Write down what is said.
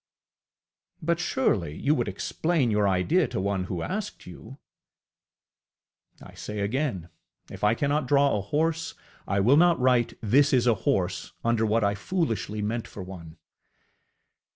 ŌĆ£But surely you would explain your idea to one who asked you? ŌĆØ I say again, if I cannot draw a horse, I will not write THIS IS A HORSE under what I foolishly meant for one.